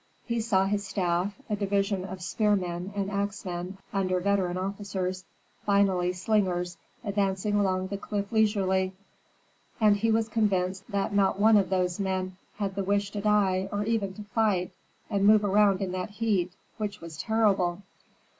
He saw his staff, a division of spearmen and axemen under veteran officers, finally slingers, advancing along the cliff leisurely. And he was convinced that not one of those men had the wish to die or even to fight and move around in that heat, which was terrible.